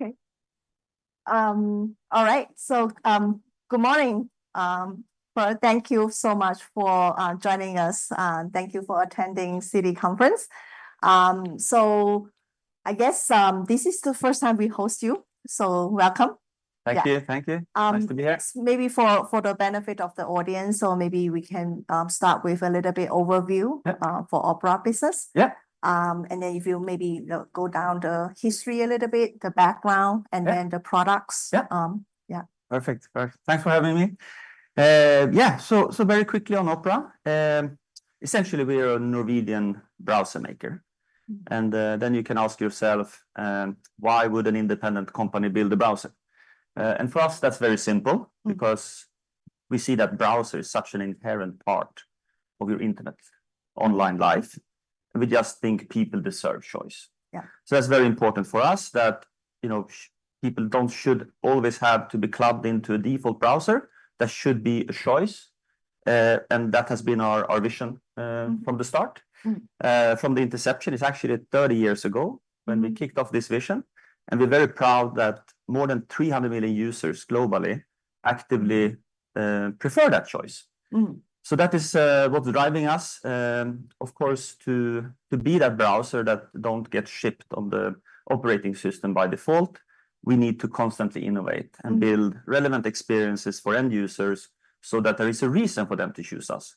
Okay. All right, so, good morning. Well, thank you so much for joining us, and thank you for attending Citi Conference. So I guess this is the first time we host you, so welcome. Thank you. Yeah. Thank you. Nice to be here. Maybe for the benefit of the audience, so maybe we can start with a little bit overview. Yep. for Opera business. Yep. And then if you maybe, you know, go down the history a little bit, the background- Yeah And then the products. Yeah. Um, yeah. Perfect. Perfect. Thanks for having me. Yeah, so, so very quickly on Opera. Essentially, we are a Norwegian browser maker. You can ask yourself, and why would an independent company build a browser? For us, that's very simple- Because we see that browser is such an inherent part of your internet online life, and we just think people deserve choice. Yeah. That's very important for us that, you know, people shouldn't always have to be clubbed into a default browser. There should be a choice. And that has been our vision. from the start. From the inception. It's actually 30 years ago when we kicked off this vision, and we're very proud that more than 300 million users globally actively prefer that choice. That is what's driving us. Of course, to be that browser that don't get shipped on the operating system by default, we need to constantly innovate and build relevant experiences for end users so that there is a reason for them to choose us,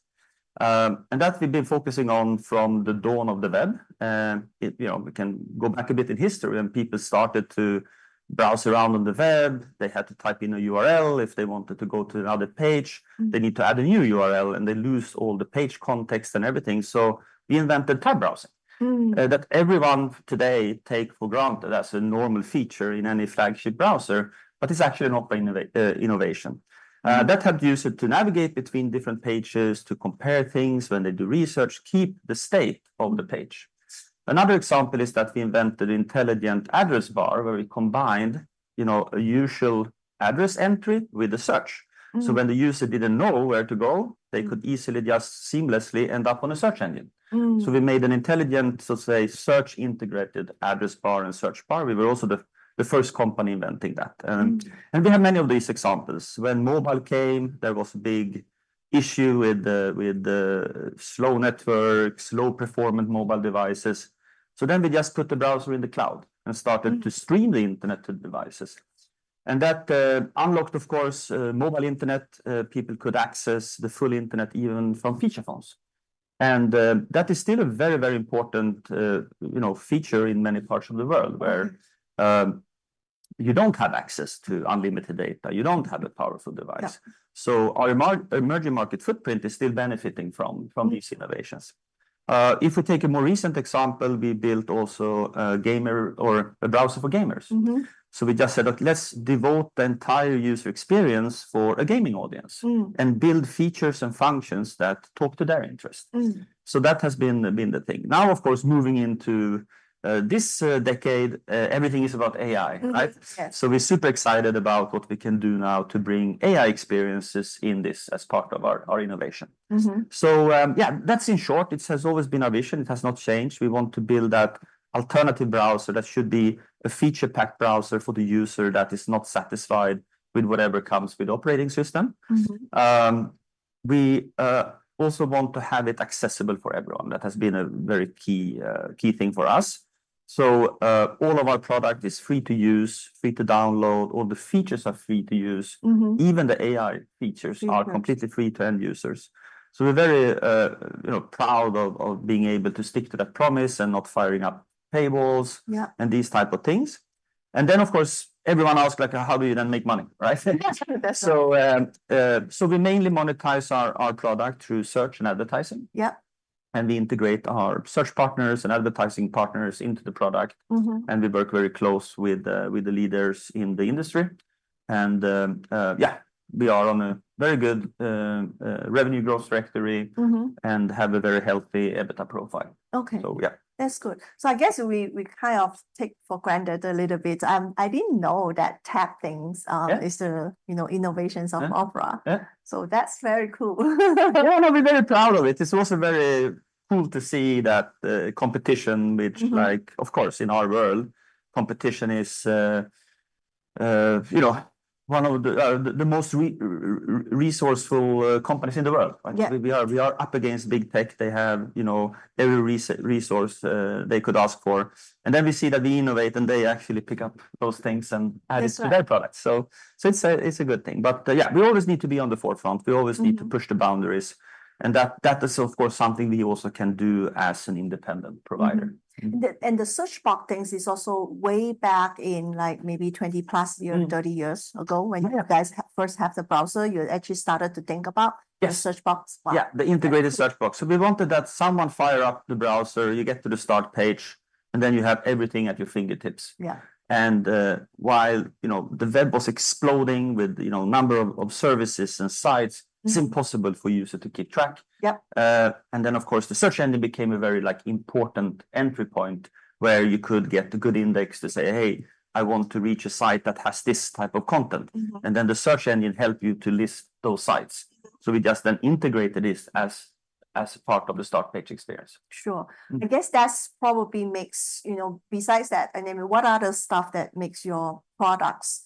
and that we've been focusing on from the dawn of the web, you know, we can go back a bit in history when people started to browse around on the web. They had to type in a URL if they wanted to go to another page. They need to add a new URL, and they lose all the page context and everything. So we invented tab browsing that everyone today take for granted. That's a normal feature in any flagship browser but is actually an Opera innovation. That helped the user to navigate between different pages, to compare things when they do research, keep the state of the page. Another example is that we invented Intelligent Address Bar, where we combined, you know, a usual address entry with a search. So when the user didn't know where to go, they could easily just seamlessly end up on a search engine. We made an intelligent, so to say, search integrated address bar and search bar. We were also the first company inventing that. We have many of these examples. When mobile came, there was a big issue with the slow network, slow performant mobile devices. So then we just put the browser in the cloud and started to stream the internet to devices. And that unlocked, of course, mobile internet. People could access the full internet even from feature phones. And that is still a very, very important, you know, feature in many parts of the world. Where, you don't have access to unlimited data. You don't have a powerful device. Yeah. Our emerging market footprint is still benefiting from from these innovations. If we take a more recent example, we built also a gaming browser for gamers. So we just said, "Okay, let's devote the entire user experience for a gaming audience- and build features and functions that talk to their interests. So that has been the thing. Now, of course, moving into this decade, everything is about AI, right? Mm-hmm. Yes. We're super excited about what we can do now to bring AI experiences in this as part of our innovation. Yeah, that's in short. It has always been our vision. It has not changed. We want to build that alternative browser. That should be a feature-packed browser for the user that is not satisfied with whatever comes with operating system. We also want to have it accessible for everyone. That has been a very key thing for us, so all of our product is free to use, free to download. All the features are free to use. Even the AI features- Features Are completely free to end users. So we're very, you know, proud of being able to stick to that promise and not firing up paywalls- Yeah And these type of things. And then, of course, everyone asks, like, "How do you then make money?" right? Yes, that's right. We mainly monetize our product through search and advertising. Yeah. We integrate our search partners and advertising partners into the product. And we work very close with, with the leaders in the industry. And, yeah, we are on a very good, revenue growth trajectory-... and have a very healthy EBITDA profile. Okay. So, yeah. That's good. So I guess we kind of take for granted a little bit. I didn't know that Tab Islands. Yeah Is a, you know, innovations of Opera. Yeah. Yeah. So that's very cool. Yeah, no, we're very proud of it. It's also very cool to see that, competition, which- like, of course, in our world, competition is, you know, one of the most resourceful companies in the world, right? Yeah. We are up against Big Tech. They have, you know, every resource they could ask for, and then we see that we innovate, and they actually pick up those things and add it That's right To their products. So, so it's a, it's a good thing. But, yeah, we always need to be on the forefront. We always need to push the boundaries, and that is, of course, something we also can do as an independent provider. And the search bar things is also way back in, like, maybe 20-plus year, 30 years ago- Yeah When you guys first have the browser, you actually started to think about- Yeah The search box bar. Yeah, the integrated search box. So we wanted that someone fire up the browser, you get to the start page, and then you have everything at your fingertips. Yeah. And, while, you know, the web was exploding with, you know, number of services and sites. it's impossible for user to keep track. Yep. And then, of course, the search engine became a very, like, important entry point, where you could get a good index to say, "Hey, I want to reach a site that has this type of content. The search engine help you to list those sites. So we just then integrated this as part of the start page experience. Sure. I guess that probably makes, you know, besides that, I mean, what other stuff that makes your products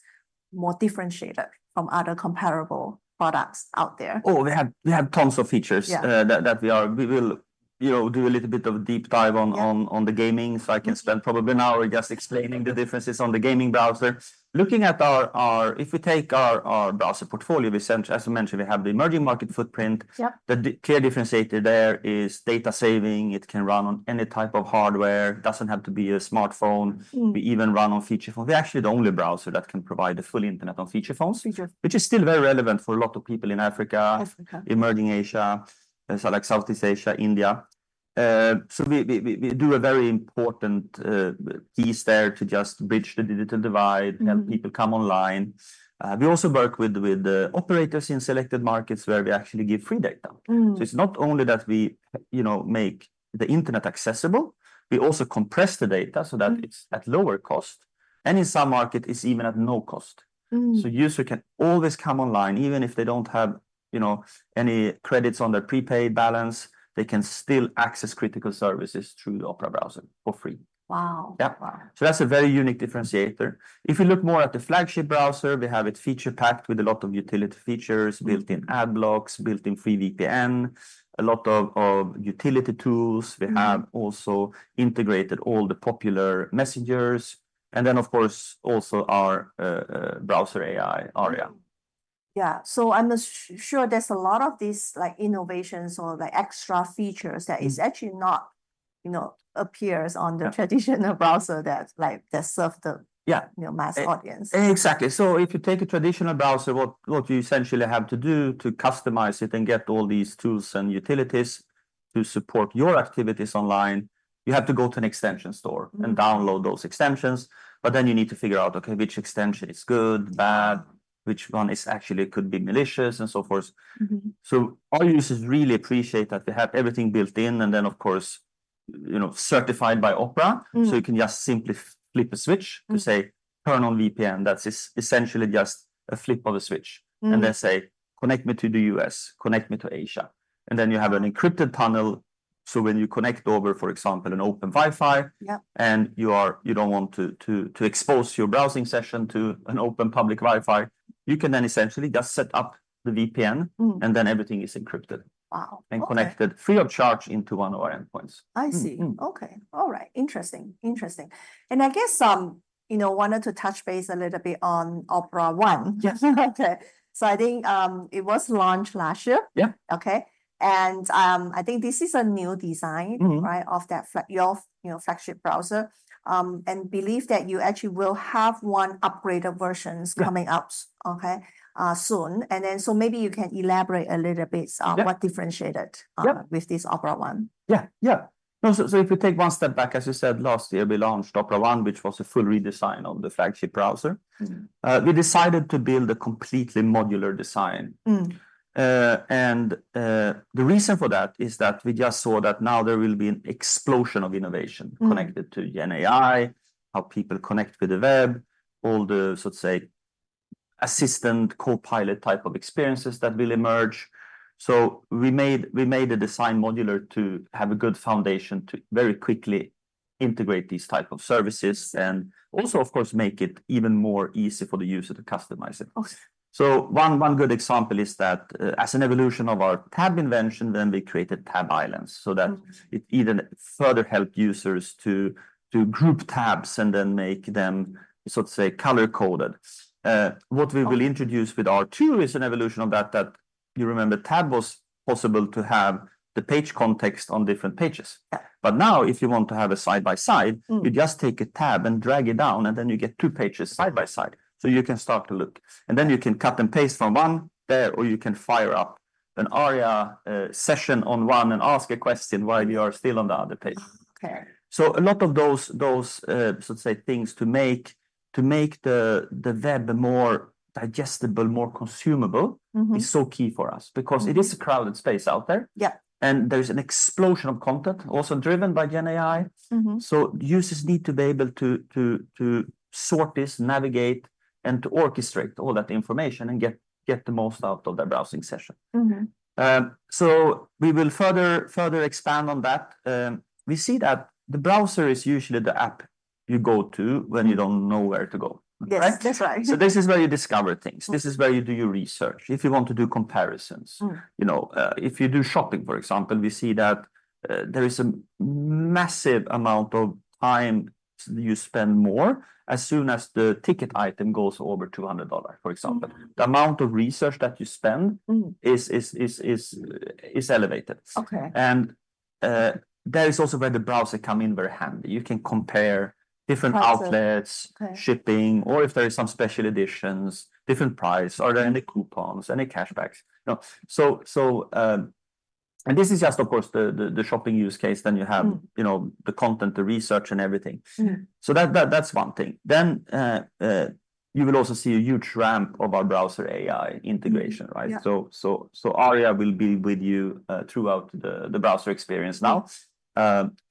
more differentiated from other comparable products out there? Oh, we have tons of features- Yeah That we will, you know, do a little bit of a deep dive on the gaming. So I can spend probably an hour just explaining the differences on the gaming browser. Looking at our, If we take our browser portfolio, we essentially, as you mentioned, we have the emerging market footprint. Yeah. The clear differentiator there is data saving. It can run on any type of hardware. Doesn't have to be a smartphone. Mm. We even run on feature phone. We're actually the only browser that can provide a full internet on feature phones- Feature Which is still very relevant for a lot of people in Africa- Africa Emerging Asia, so like Southeast Asia, India, so we do a very important piece there to just bridge the digital divide- help people come online. We also work with the operators in selected markets where we actually give free data. So it's not only that we, you know, make the internet accessible, we also compress the data- so that it's at lower cost, and in some market it's even at no cost. User can always come online, even if they don't have, you know, any credits on their prepaid balance. They can still access critical services through the Opera Browser for free. Wow! Yeah. Wow. That's a very unique differentiator. If you look more at the flagship browser, we have it feature packed with a lot of utility features, built-in ad blocks, built-in free VPN, a lot of utility tools. We have also integrated all the popular messengers, and then, of course, also our browser AI, Aria. Yeah. So I'm as sure there's a lot of these, like, innovations or the extra features- that is actually not, you know, appears on the- Yeah Traditional browser that serve the- Yeah You know, mass audience. Exactly. So if you take a traditional browser, what you essentially have to do to customize it and get all these tools and utilities to support your activities online, you have to go to an extension store- and download those extensions, but then you need to figure out, okay, which extension is good, bad, which one is actually could be malicious, and so forth. So our users really appreciate that they have everything built in, and then, of course, you know, certified by Opera. So you can just simply flip a switch- to say, "Turn on VPN." That's essentially just a flip of a switch. And then say, "Connect me to the U.S., connect me to Asia." And then you have an encrypted tunnel, so when you connect over, for example, an open Wi-Fi- Yeah And you are, you don't want to expose your browsing session to an open public Wi-Fi, you can then essentially just set up the VPN and then everything is encrypted- Wow, okay And connected free of charge into one of our endpoints. I see. Okay. All right. Interesting. Interesting, and I guess, you know, wanted to touch base a little bit on Opera One. Yes. Okay. So I think it was launched last year. Yeah. Okay, and, I think this is a new design- right, of that your, you know, flagship browser, and believe that you actually will have one upgraded versions- Yeah coming out, okay, soon, and then, so maybe you can elaborate a little bit- Yeah on what differentiate it- Yeah with this Opera One? Yeah, yeah. No, so, so if you take one step back, as you said, last year we launched Opera One, which was a full redesign of the flagship browser. We decided to build a completely modular design the reason for that is that we just saw that now there will be an explosion of innovation- connected to GenAI, how people connect with the web, all the, so to say, assistant, co-pilot type of experiences that will emerge. So we made the design modular to have a good foundation to very quickly integrate these type of services, and also, of course, make it even more easy for the user to customize it. Of course. So one good example is that, as an evolution of our tab invention, then we created Tab Islands- so that it even further help users to group tabs and then make them, so to say, color-coded. What we will- Okay introduce with our tool is an evolution of that, that you remember. Tab was possible to have the page context on different pages. Yeah. But now, if you want to have a side by side you just take a tab and drag it down, and then you get two pages side by side. So you can start to look, and then you can cut and paste from one there, or you can fire up an Aria session on one and ask a question while you are still on the other page. Oh, okay. So a lot of those, so to say, things to make the web more digestible, more consumable- is so key for us- because it is a crowded space out there. Yeah. There is an explosion of content, also driven by GenAI. Users need to be able to sort this, navigate, and to orchestrate all that information, and get the most out of their browsing session. So we will further expand on that. We see that the browser is usually the app you go to when you don't know where to go, right? Yes, that's right. So this is where you discover things This is where you do your research, if you want to do comparisons. You know, if you do shopping, for example, we see that there is a massive amount of time you spend more, as soon as the big-ticket item goes over $200, for example. The amount of research that you spend- is elevated. Okay. That is also where the browser come in very handy. You can compare different outlets- Process. Okay shipping, or if there is some special editions, different price. Are there any coupons, any cash backs? You know, and this is just of course, the shopping use case, then you have- you know, the content, the research, and everything. So that that's one thing. Then you will also see a huge ramp of our browser AI integration, right? Yeah. So Aria will be with you throughout the browser experience now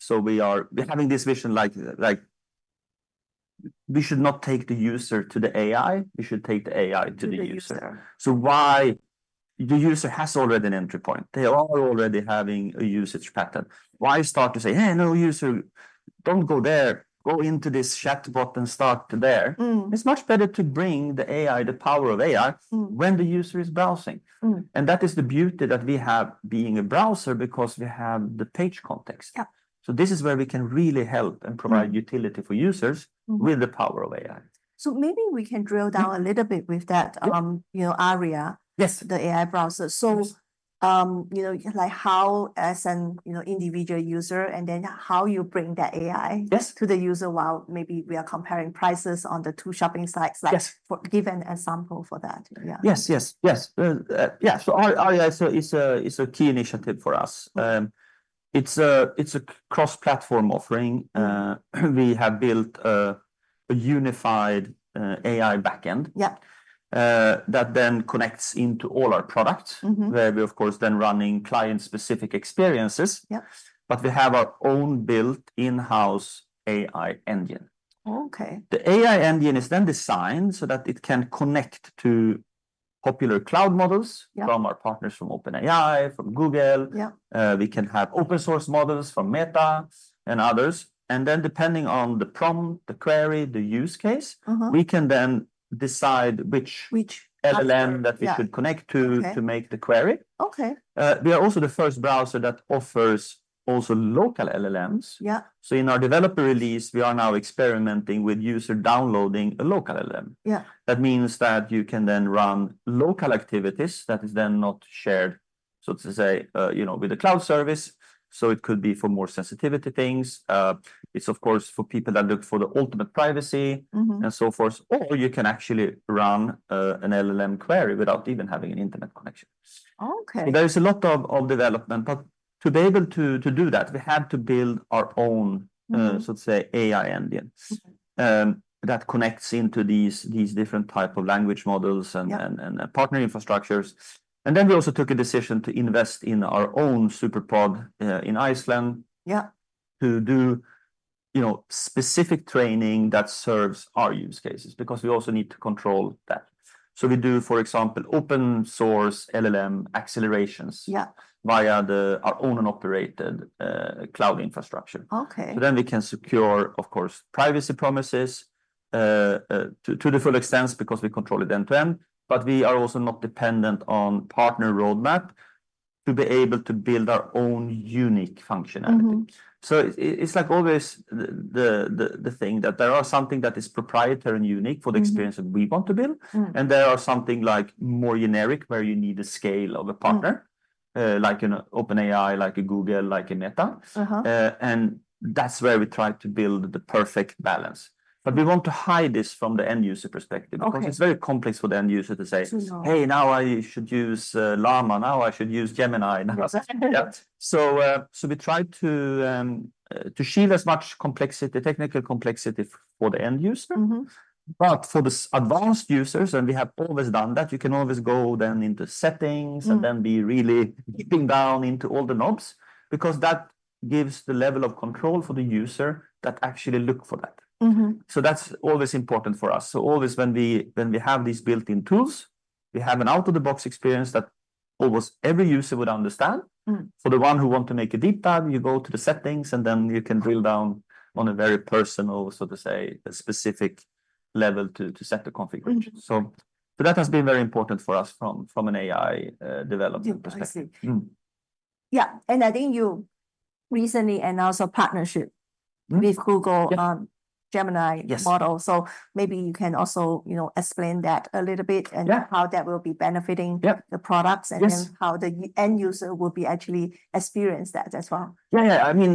We're having this vision like, we should not take the user to the AI. We should take the AI to the user. So, why the user has already an entry point. They are already having a usage pattern. Why start to say, "Hey, no, user, don't go there. Go into this chatbot and start there"? It's much better to bring the AI, the power of AI. when the user is browsing. That is the beauty that we have being a browser, because we have the page context. Yeah. So this is where we can really help- and provide utility for users. With the power of AI. So maybe we can drill down a little bit with that, you know, Aria. Yes. The AI browser. Yes. So, you know, like, how as an, you know, individual user, and then how you bring that AI- Yes to the user, while maybe we are comparing prices on the two shopping sites, like- Yes give an example for that. Yeah. Yes, yes, yes. Yeah, so Aria is a key initiative for us. It's a cross-platform offering. We have built a unified AI back end- Yeah that then connects into all our products. Mm-hmm. Where we're, of course, then running client-specific experiences. Yeah. But we have our own built in-house AI engine. Okay. The AI engine is then designed so that it can connect to popular cloud models. Yeah from our partners from OpenAI, from Google. Yeah. We can have open source models from Meta and others, and then depending on the prompt, the query, the use case- Uh-huh we can then decide which- Which LLM that- Yeah we could connect to- Okay to make the query. Okay. We are also the first browser that offers also local LLMs. Yeah. In our developer release, we are now experimenting with user downloading a local LLM. Yeah. That means that you can then run local activities that is then not shared, so to say, you know, with a cloud service. So it could be for more sensitive things. It's of course, for people that look for the ultimate privacy- and so forth. Or you can actually run an LLM query without even having an internet connection. Okay. So there is a lot of development. But to be able to do that, we had to build our own- so to say, AI engines- Okay that connects into these different type of language models and- Yeah and partner infrastructures. And then we also took a decision to invest in our own SuperPOD in Iceland. Yeah to do, you know, specific training that serves our use cases, because we also need to control that. So we do, for example, open-source LLM accelerations- Yeah Via our owned and operated cloud infrastructure. Okay. We can secure, of course, privacy promises to the full extent, because we control it end to end, but we are also not dependent on partner roadmap to be able to build our own unique functionality. t’s like always the thing that there are something that is proprietary and unique for- the experience that we want to build. And there are something, like, more generic, where you need a scale of a partner- like an OpenAI, like a Google, like a Meta. And that's where we try to build the perfect balance. But we want to hide this from the end user perspective- Okay Because it's very complex for the end user to say- I know ."Hey, now I should use Llama, now I should use Gemini. Yes. Yeah. So we try to shield as much complexity, technical complexity for the end user. But for the advanced users, and we have always done that, you can always go then into settings- and then be really dipping down into all the knobs, because that gives the level of control for the user that actually look for that. That's always important for us. Always, when we have these built-in tools, we have an out-of-the-box experience that almost every user would understand For the one who want to make a deep dive, you go to the settings, and then you can drill down on a very personal, so to say, specific level to set the configuration. That has been very important for us from an AI development perspective. Yeah, I see. Yeah, and I think you recently announced a partnership- with Google on Gemini- Yes model. So maybe you can also, you know, explain that a little bit- Yeah And how that will be benefiting- Yeah the products- Yes And then how the end user will actually experience that as well. Yeah, yeah. I mean,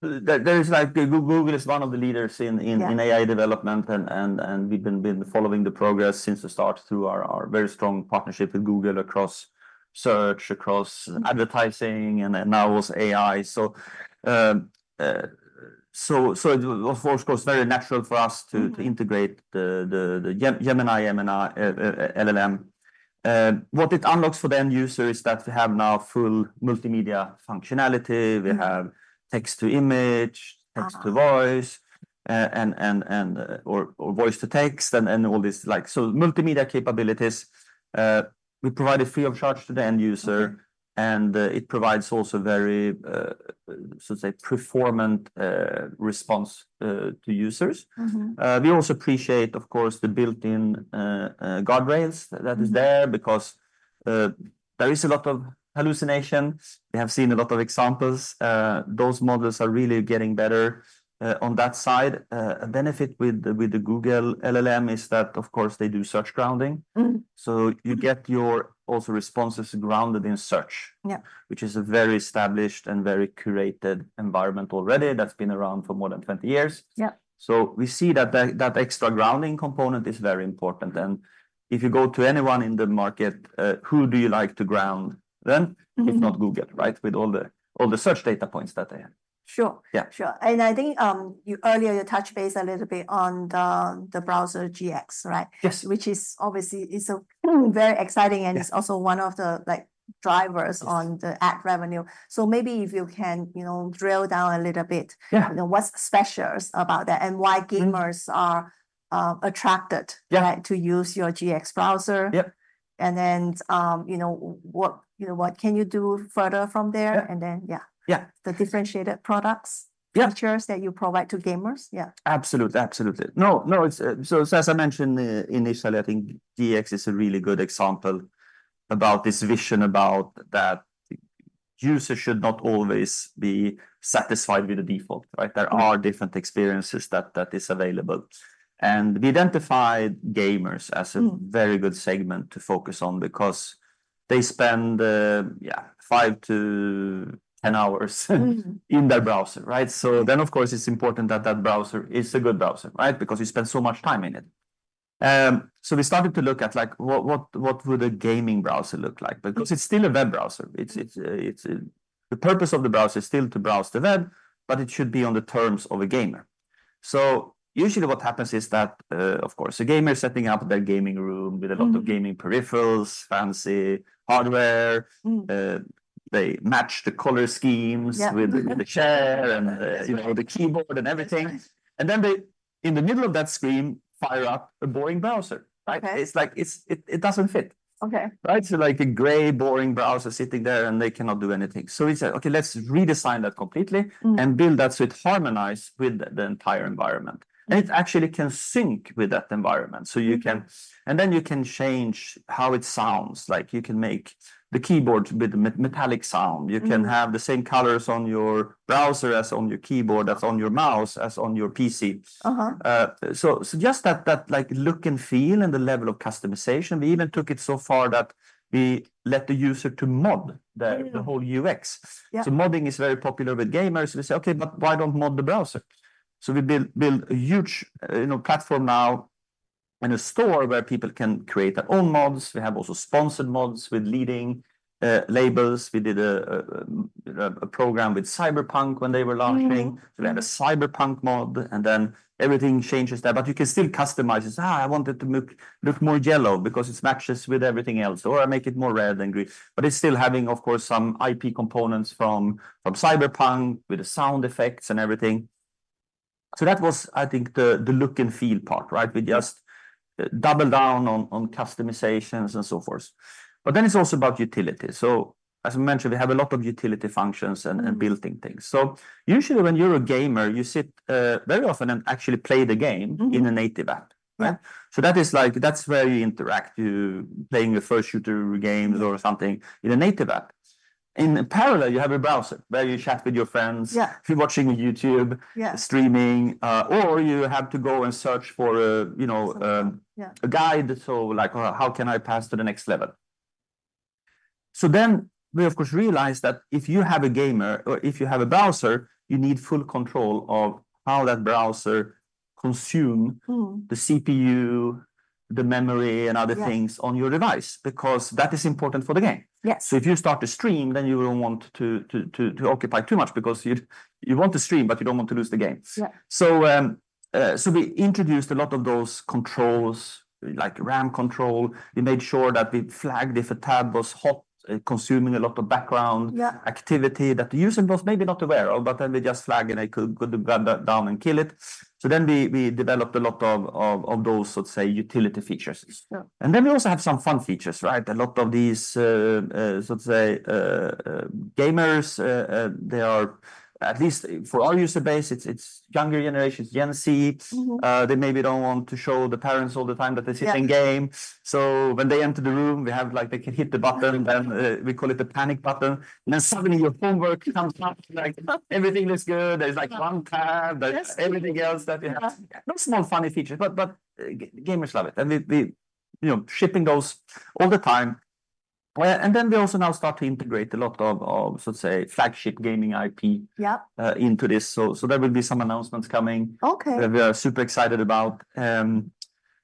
there's like, Google is one of the leaders in, in AI development. And we've been following the progress since the start through our very strong partnership with Google across search, across advertising, and now with AI. So of course, very natural for us to integrate the Gemini LLM. What it unlocks for the end user is that we have now full multimedia functionality. We have text to image, text to voice, and or voice to text, and all this, like so multimedia capabilities, we provide it free of charge to the end user. It provides also very, so to say, response to users. We also appreciate, of course, the built-in guardrails that is there, because there is a lot of hallucinations. We have seen a lot of examples. Those models are really getting better on that side. A benefit with the Google LLM is that, of course, they do search grounding. So you get your Aria responses grounded in search which is a very established and very curated environment already, that's been around for more than 20 years. Yeah. So we see that extra grounding component is very important. And if you go to anyone in the market, who do you like to ground them, if not Google, right? With all the, all the search data points that they have. Sure. Yeah. Sure. And I think, you earlier, you touched base a little bit on the browser GX, right? Yes. Which is obviously, it's a very exciting and it's also one of the, like, drivers on the ad revenue. So maybe if you can, you know, drill down a little bit you know, what's special about that, and why gamers are attracted-to use your GX Browser. Then, you know, what can you do further from there? Yeah. And then, yeah. Yeah. The differentiated products features that you provide to gamers. Yeah. Absolutely. Absolutely. No, no, it's. So, so as I mentioned, initially, I think GX is a really good example about this vision about that users should not always be satisfied with the default, right? There are different experiences that is available and we identified gamers as a very good segment to focus on because they spend five to 10 hours in their browser, right? So then, of course, it's important that that browser is a good browser, right, because you spend so much time in it. So we started to look at, like, what would a gaming browser look like? Because it's still a web browser. It's a, the purpose of the browser is still to browse the web, but it should be on the terms of a gamer. So usually what happens is that, of course, a gamer is setting up their gaming room with a lot of gaming peripherals, fancy hardware. They match the color schemes with the chair and, you know, the keyboard and everything. Then they, in the middle of that screen, fire up a boring browser, right? Okay. It's like, it doesn't fit. Okay. Right? So, like a gray, boring browser sitting there, and they cannot do anything. So we said, "Okay, let's redesign that completely and build that so it harmonize with the entire environment. It actually can sync with that environment. Then you can change how it sounds. Like, you can make the keyboard with a metallic sound. You can have the same colors on your browser as on your keyboard, as on your mouse, as on your PC. So just that, like, look and feel and the level of customization, we even took it so far that we let the user to mod the the whole UX. Yeah. Modding is very popular with gamers. We say, "Okay, but why don't mod the browser?" We built a huge, you know, platform now and a store where people can create their own mods. We have also sponsored mods with leading labels. We did a program with Cyberpunk when they were launching. So we had a Cyberpunk mod, and then everything changes there. But you can still customize it. "Ah, I want it to look more yellow because it matches with everything else," or I make it more red than green. But it's still having, of course, some IP components from Cyberpunk with the sound effects and everything. So that was, I think, the look and feel part, right? We just doubled down on customizations and so forth. But then it's also about utility. So as I mentioned, we have a lot of utility functions and built-in things. So usually when you're a gamer, you sit very often and actually play the game- in a native app, right? So that is like, that's where you interact, you playing a first-person shooter games or something in a native app. In parallel, you have a browser where you chat with your friends- if you're watching YouTube streaming, or you have to go and search for a, you know, a guide. So, like, "How can I pass to the next level?" So then we, of course, realized that if you have a gamer, or if you have a browser, you need full control of how that browser consume the CPU, the memory, and other things on your device, because that is important for the game. So if you start to stream, then you wouldn't want to occupy too much because you want to stream, but you don't want to lose the game. We introduced a lot of those controls, like RAM control. We made sure that we flagged if a tab was hot, consuming a lot of background activity that the user was maybe not aware of, but then we just flag, and I could go to run that down and kill it. So then we developed a lot of those, let's say, utility features and then we also have some fun features, right? A lot of these, so let's say gamers, they are, at least for our user base, it's younger generations, Gen Zs. They maybe don't want to show the parents all the time that they're sitting in game. So when they enter the room, we have, like, they can hit the button, and we call it the Panic Button. And then suddenly, your homework comes up, like everything is good. There's like one tab-everything else that. No, small funny features, but gamers love it, and we, you know, shipping those all the time, well, and then we also now start to integrate a lot of, let's say, flagship gaming IP into this. So, there will be some announcements coming. Okay .That we are super excited about.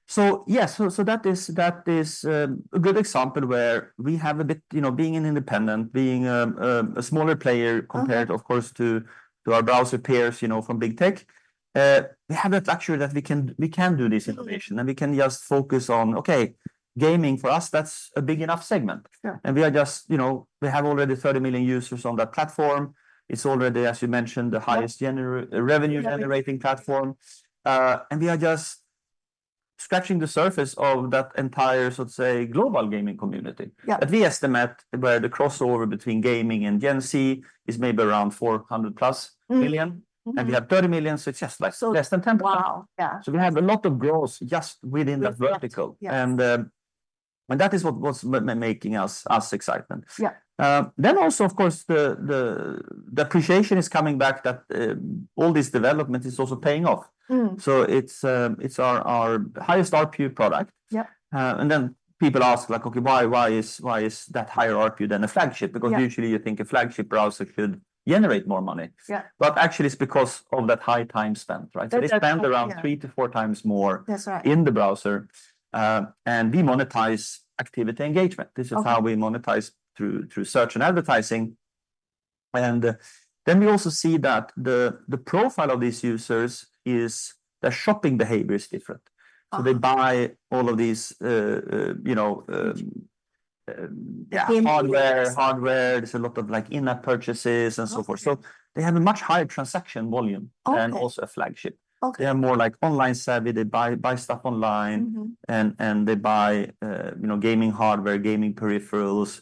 So yeah, that is a good example where we have a bit. You know, being an independent, a smaller player-compared, of course, to our browser peers, you know, from big tech, we have that luxury that we can do this innovation and we can just focus on, "Okay, gaming, for us, that's a big enough segment. We are just, you know, we have already 30 million users on that platform. It's already, as you mentioned, the highest revenue-generating platform. And we are just scratching the surface of that entire, let's say, global gaming community. But we estimate where the crossover between gaming and Gen Z is maybe around 400+million. We have 30 million, so it's just like less than 10%. Wow, yeah. We have a lot of growth just within that vertical. That is what was making us excitement. Then also, of course, the appreciation is coming back that all this development is also paying off. So it's our highest RPU product. And then people ask like: "Okay, why is that higher RPU than a flagship? Because usually you think a flagship browser should generate more money. But actually, it's because of that high time spent, right? That's right, yeah. So they spend around three to four times more- That's right In the browser, and we monetize activity engagement This is how we monetize through search and advertising, and then we also see that the profile of these users is, their shopping behavior is different. They buy all of these, you know, yeah, hardware, hardware. There's a lot of, like, in-app purchases and so forth. They have a much higher transaction volume than also a flagship. They are more, like, online savvy. They buy stuff online and they buy, you know, gaming hardware, gaming peripherals,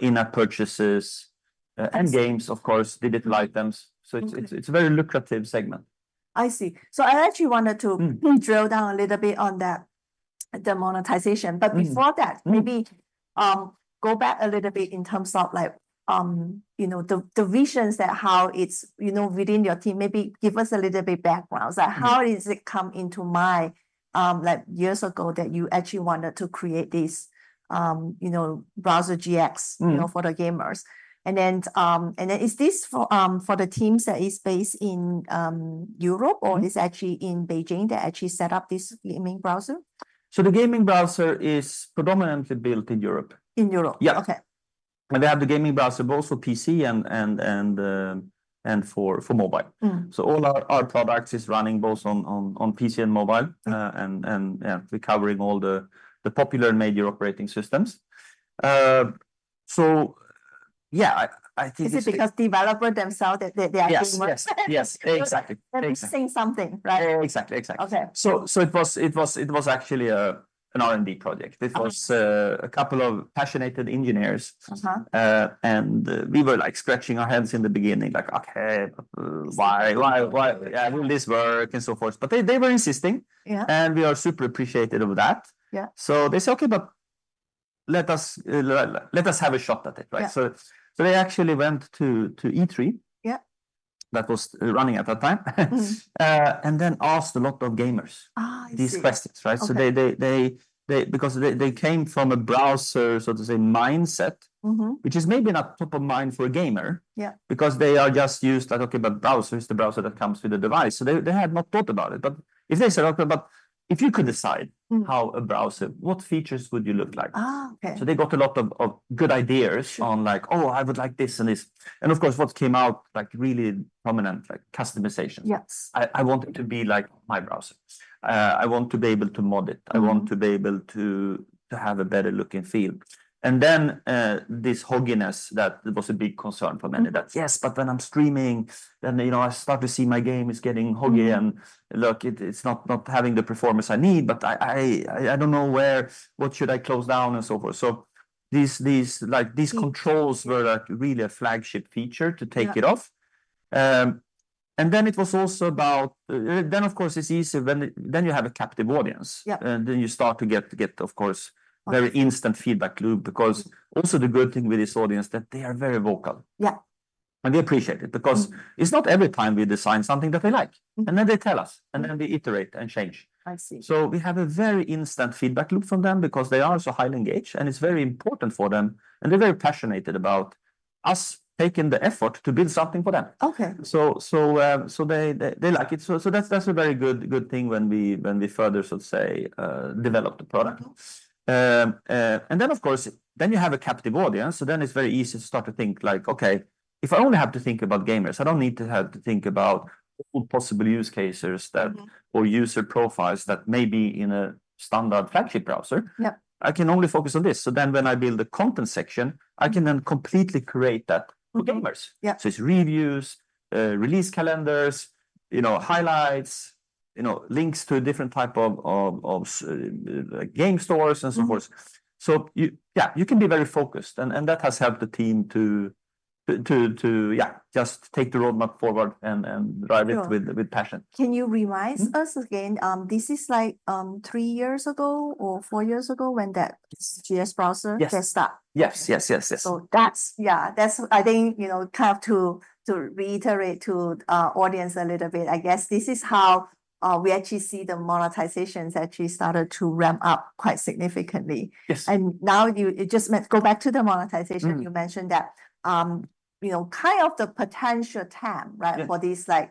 in-app purchases, and games, of course, digital items. Okay. It's a very lucrative segment. I see. So I actually wanted to drill down a little bit on that, the monetization. But before that- maybe go back a little bit in terms of like, you know, the visions that how it's, you know, within your team, maybe give us a little bit background. So how does it come to mind, like years ago, that you actually wanted to create this, you know, Opera GX- you know, for the gamers? And then, is this for the teams that is based in, Europe or is it actually in Beijing that set up this gaming browser? So the gaming browser is predominantly built in Europe. In Europe? Yeah. Okay. We have the gaming browser both for PC and for mobile. So all our products is running both on PC and mobile-and, yeah, we're covering all the popular major operating systems. So yeah, I think it's- Is it because developer themselves, they are gaming more? Yes, yes. Yes, exactly. Exactly. They're missing something, right? Exactly, exactly. Okay. It was actually an R&D project. It was a couple of passionate engineers. And we were like scratching our heads in the beginning, like, "Okay, why? Why, why, yeah, will this work?" And so forth. But they were insisting, we are super appreciative of that. So they say, "Okay, but let us have a shot at it," right? Yeah. They actually went to E3. Yeah .That was running at that time. and then asked a lot of gamers. Ah, I see. These questions, right? Okay. So they came from a browser, so to say, mindset. which is maybe not top of mind for a gamer. Yeah Because they are just used like, okay, but browser is the browser that comes with the device, so they had not thought about it. But if they said, "Okay, but if you could decide- how a browser, what features would you look like? Ah, okay. So they got a lot of good ideas-on, like, "Oh, I would like this and this." And of course, what came out, like, really prominent, like customization. I want it to be like my browser. I want to be able to mod it. I want to be able to, to have a better look and feel." And then this hoggingness that was a big concern for many. That, yes, but when I'm streaming, then, you know, I start to see my game is getting laggy, and, look, it's not having the performance I need, but I don't know where—what should I close down," and so forth. So these, like, these controls-were, like, really a flagship feature to take it off. And then it was also about. Then, of course, it's easier when you have a captive audience. You start to get, of course, very instant feedback loop. Because also the good thing with this audience, that they are very vocal. And we appreciate it.. because it's not every time we design something that they like. And then they tell us, and then we iterate and change. I see. So we have a very instant feedback loop from them, because they are also highly engaged, and it's very important for them, and they're very passionate about us taking the effort to build something for them. So they like it. So that's a very good thing when we further, so to say, develop the product. And then, of course, you have a captive audience. So then it's very easy to start to think like, "Okay, if I only have to think about gamers, I don't need to think about all possible use cases that-. or user profiles that may be in a standard flagship browser. I can only focus on this. So then when I build the content section, I can then completely create that for gamers. So it's reviews, release calendars, you know, highlights, you know, links to different type of game stores, and so forth. Yeah, you can be very focused, and that has helped the team to, yeah, just take the roadmap forward and drive it. Sure With passion. Can you remind us again, this is like, three years ago or four years ago when that GX browser-first start? Yes, yes, yes, yes. That's, yeah, that's, I think, you know, kind of to reiterate to the audience a little bit. I guess this is how we actually see the monetizations actually started to ramp up quite significantly. Go back to the monetization. You mentioned that, you know, kind of the potential TAM, right? For these, like,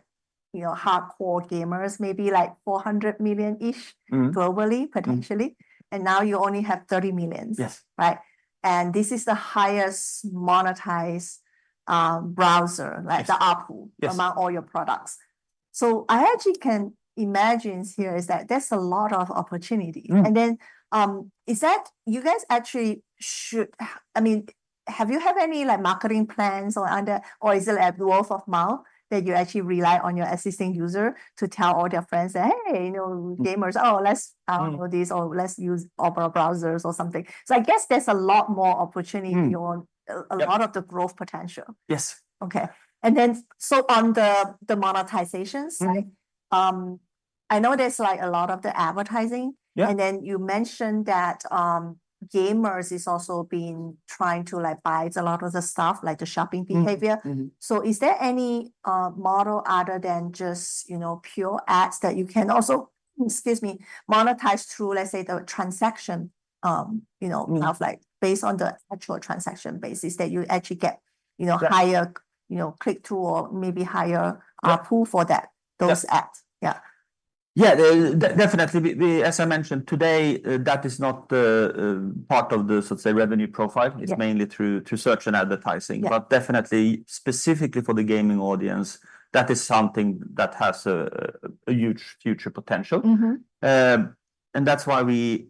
you know, hardcore gamers, maybe like 400 million-ish.. globally, potentially. Now you only have 30 million. Yes. Right? And this is the highest monetized, browser-like the output- among all your products. So I actually can imagine here is that there's a lot of opportunity.I mean, have you any, like, marketing plans or underway, or is it word of mouth that you actually rely on your existing user to tell all their friends that, "Hey, you know, gamers-. oh, let's download this, or let's use Opera browsers or something? So I guess there's a lot more opportunity here- a lot of the growth potential. Yes. Okay. And then so on the monetizations, right? I know there's, like, a lot of the advertising. Yeah. And then you mentioned that gamers is also been trying to, like, buy a lot of the stuff, like the shopping behavior. So is there any model other than just, you know, pure ads that you can also, excuse me, monetize through, let's say, the transaction, you know of like, based on the actual transaction basis, that you actually get, you know- higher, you know, click-through or maybe higher-. pool for that, those ads? Yeah, yeah, definitely. We, as I mentioned today, that is not the part of the so to say revenue profile. It's mainly through search and advertising. But definitely specifically for the gaming audience, that is something that has a huge future potential. And that's why we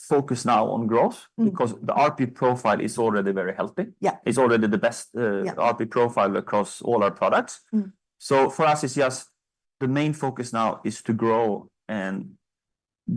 focus now on growth-because the RPU profile is already very healthy. It's already the best.. RPU profile across all our products. So for us, it's just the main focus now is to grow and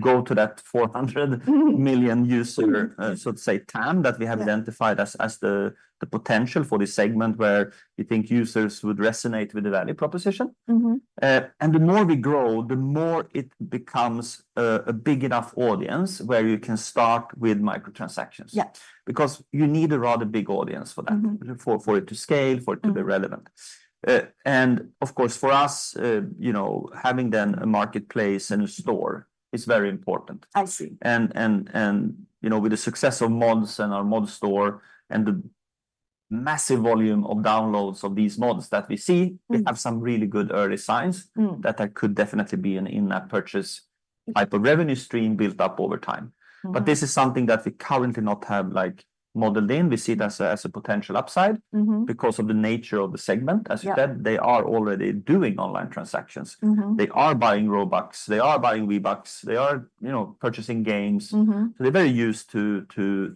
go to that 400 million user, so to say, TAM, that we have identified as the potential for this segment, where we think users would resonate with the value proposition. And the more we grow, the more it becomes a big enough audience where you can start with micro-transactions. Yes. Because you need a rather big audience for that. for it to scale, for it to be relevant. And of course, for us, you know, having then a marketplace and a store is very important. I see. You know, with the success of mods and our mod store, and the massive volume of downloads of these mods that we see-we have some really good early signs- that there could definitely be an in-app purchase type of revenue stream built up over time. But this is something that we currently not have like, modeled in. We see it as a potential upside- because of the nature of the segAs you said, they are already doing online transactions. They are buying Robux, they are buying V-Bucks. They are, you know, purchasing games. So they're very used to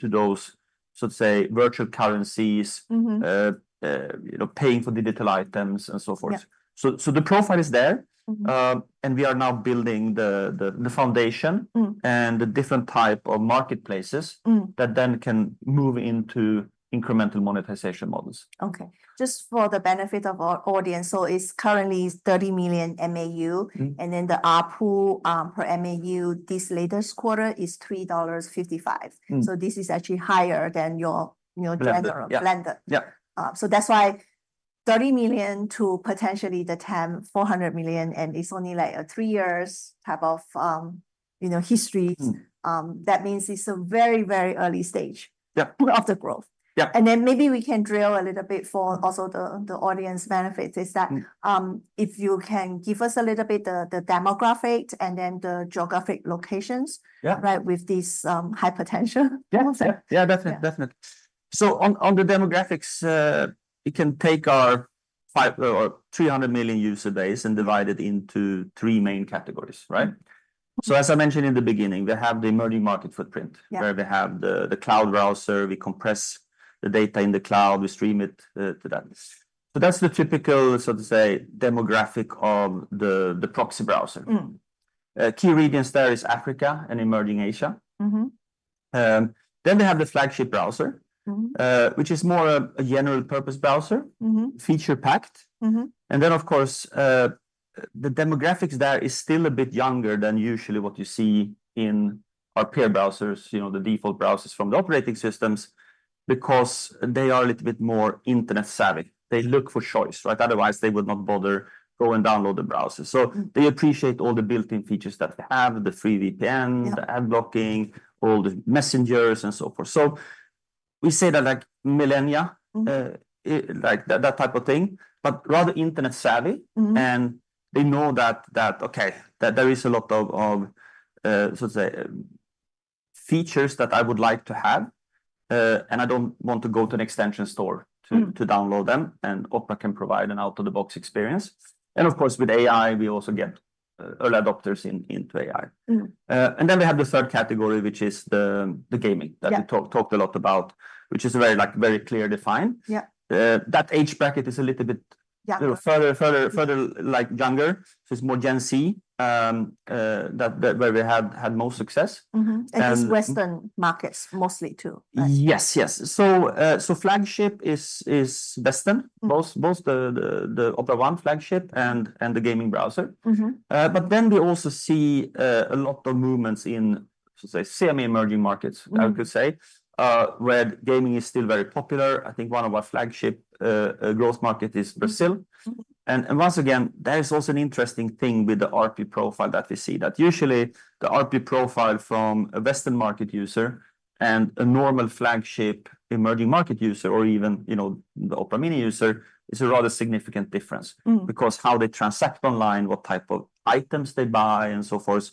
those, so to say, virtual currencies- you know, paying for digital items, and so forth. So, so the profile is there. And we are now building the foundation and the different type of marketplaces that then can move into incremental monetization models. Okay. Just for the benefit of our audience, so it's currently 30 million MAU. And then the ARPU per MAU this latest quarter is $3.55. So this is actually higher than your general blended. Yeah. So that's why 30 million to potentially the TAM, 400 million, and it's only, like, a three years type of, you know, history. That means it's a very, very early stage of the growth. Yeah. And then maybe we can drill a little bit for also the audience benefit if you can give us a little bit the demographic and then the geographic locations-right, with this, high potential? Yeah. Yeah, definitely. Yeah. Definitely. So on the demographics, you can take our 50 or 300 million user base and divide it into three main categories, right? So as I mentioned in the beginning, we have the emerging market footprint, where we have the cloud browser. We compress the data in the cloud, we stream it to them. So that's the typical, so to say, demographic of the proxy browser. Key regions there is Africa and emerging Asia. Then we have the flagship browser- which is more a general purpose browser. Feature-packed. And then, of course, the demographics there is still a bit younger than usually what you see in our peer browsers, you know, the default browsers from the operating systems, because they are a little bit more internet savvy. They look for choice, right? Otherwise, they would not bother go and download the browser. So they appreciate all the built-in features that we have, the free VPN the ad blocking, all the messengers, and so forth. So we say that, like millennial-like that, that type of thing, but rather internet savvy. And they know that okay, that there is a lot of so to say features that I would like to have, and I don't want to go to an extension store to download them, and Opera can provide an out-of-the-box experience. And of course, with AI, we also get early adopters into AI. And then we have the third category, which is the gamingYeah that we talked a lot about, which is very, like, very clear defined. That age bracket is a little bit-little further, like younger, so it's more Gen Z, that where we had most success. Mm-hmm. And- It's Western markets mostly, too, right? Yes, yes. So, so flagship is Western-both the Opera One flagship and the gaming browser. But then we also see a lot of movements in, so to say, semi-emerging markets-I would say where gaming is still very popular. I think one of our flagship growth market is Brazil. Once again, there is also an interesting thing with the RPU profile that we see, that usually the RPU profile from a Western market user and a normal flagship emerging market user or even, you know, the Opera Mini user, is a rather significant difference. Because how they transact online, what type of items they buy, and so forth,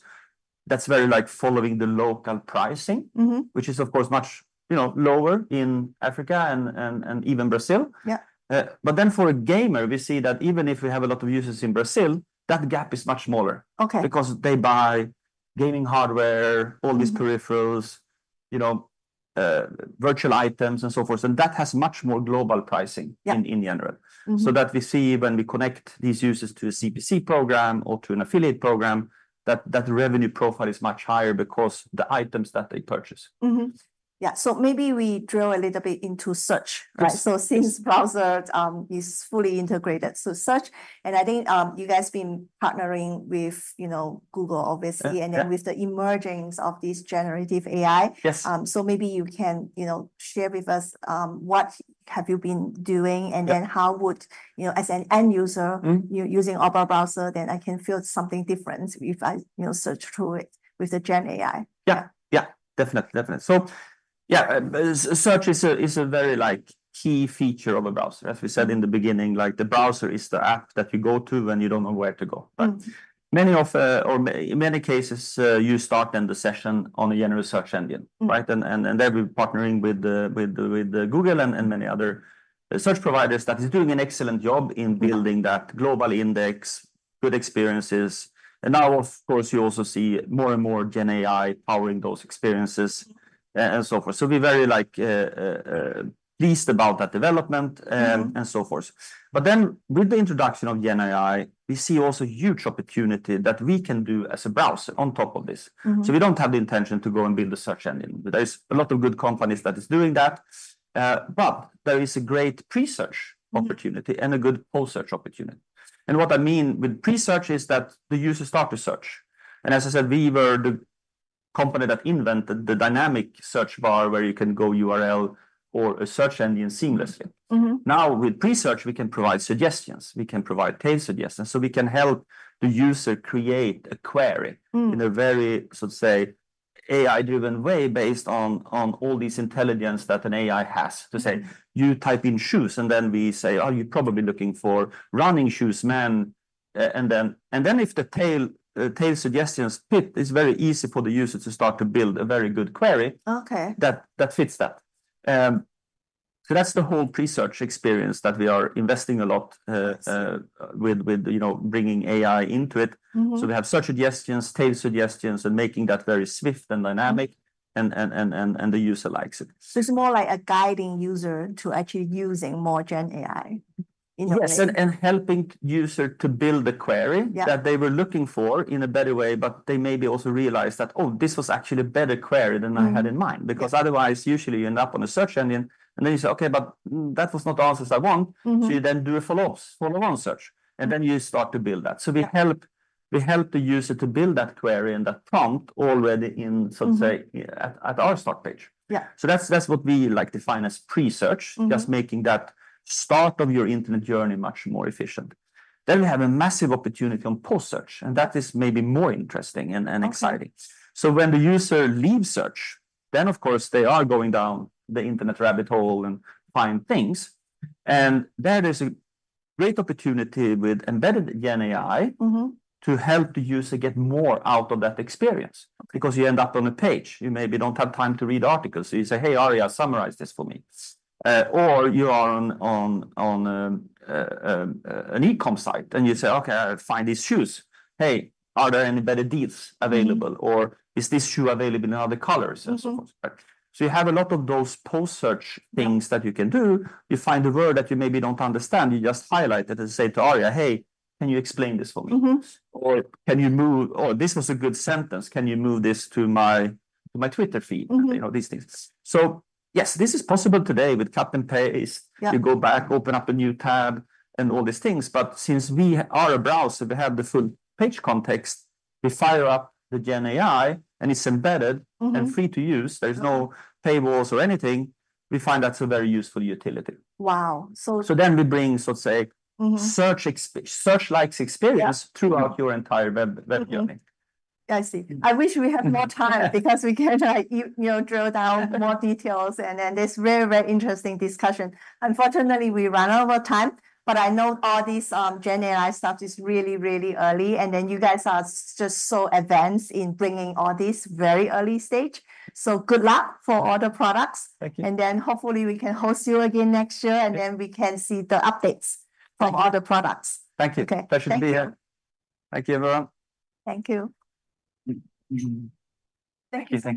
that's very like following the local pricing-which is, of course, much, you know, lower in Africa and even Brazil. But then for a gamer, we see that even if we have a lot of users in Brazil, that gap is much smaller-because they buy gaming hardware-all these peripherals, you know, virtual items, and so forth, and that has much more global pricing in general. Mm-hmm. So that we see when we connect these users to a CPC program or to an affiliate program, that revenue profile is much higher because the items that they purchase. Mm-hmm. Yeah, so maybe we drill a little bit into search, right? Yes. So since browser is fully integrated, so search, and I think you guys been partnering with, you know, Google, obviously and then with the emergence of this generative AI. Yes. So maybe you can, you know, share with us what have you been doing and then how would, you know, as an end user? you using Opera Browser, then I can feel something different if I, you know, search through it with the Gen AI? Yeah. Yeah, definitely, definitely. So yeah, search is a very, like, key feature of a browser. As we said in the beginning, like, the browser is the app that you go to when you don't know where to go. But many of in many cases, you start then the session on a general search engine, right? There we're partnering with the Google and many other search providers that is doing an excellent job in building that global index, good experiences, and now, of course, you also see more and more GenAI powering those experiences and so forth. So we're very like pleased about that development. and so forth. But then with the introduction of GenAI, we see also huge opportunity that we can do as a browser on top of this. So we don't have the intention to go and build a search engine. There is a lot of good companies that is doing that, but there is a great pre-search opportunity and a good post-search opportunity. And what I mean with pre-search is that the user start to search. And as I said, we were the company that invented the dynamic search bar, where you can go URL or a search engine seamlessly. Now, with pre-search, we can provide suggestions. We can provide tailored suggestions, so we can help the user create a query in a very, so to say, AI-driven way, based on all this intelligence that an AI has. To say, you type in shoes, and then we say, "Oh, you're probably looking for running shoes, men," and then if the tail suggestions fit, it's very easy for the user to start to build a very good query- Okay That, that fits that. So that's the whole pre-search experience that we are investing a lot, with, you know, bringing AI into it. So we have search suggestions, tailored suggestions, and making that very swift and dynamic and the user likes it. So it's more like a guiding user to actually using more GenAI in a way. Yes, and helping user to build a query that they were looking for in a better way, but they maybe also realize that, "Oh, this was actually a better query than I had in mind. Mm. Yeah. Because otherwise, usually you end up on a search engine, and then you say, "Okay, but that was not the answers I want. So you then do a follow-up, follow-on search, and then you start to build that. Yeah. So we help the user to build that query and that prompt already in, so to say at our start page. Yeah. So that's what we like define as pre-search. Just making that start of your internet journey much more efficient. Then we have a massive opportunity on post-search, and that is maybe more interesting and exciting. Okay. So when the user leaves search, then, of course, they are going down the internet rabbit hole and find things, and that is a great opportunity with embedded GenAI- to help the user get more out of that experience. Okay. Because you end up on a page, you maybe don't have time to read articles, so you say, "Hey, Aria, summarize this for me. Or you are on an e-com site, and you say, "Okay, I find these shoes. Hey, are there any better deals available? Or is this shoe available in other colors? And so forth. So you have a lot of those post-search things that you can do. You find a word that you maybe don't understand, you just highlight it and say to Aria, "Hey, can you explain this for me? Or this was a good sentence, can you move this to my Twitter feed. You know, these things, so yes, this is possible today with cut and paste. You go back, open up a new tab, and all these things, but since we are a browser, we have the full page context. We fire up the GenAI, and it's embedded and free to use. Right. There's no paywalls or anything. We find that's a very useful utility. Wow! So- So then we bring, so to say search-like experience throughout your entire web journey. Mm-hmm. I see. I wish we had more time because we can, like, you know, drill down more details. And then this very, very interesting discussion. Unfortunately, we ran over time, but I know all this GenAI stuff is really, really early, and then you guys are just so advanced in bringing all this very early stage. So good luck for all the products. Thank you. And then hopefully we can host you again next year- Yeah And then we can see the updates from all the products. Thank you. Okay. Pleasure to be here. Thank you. Thank you, everyone. Thank you.. Thank you.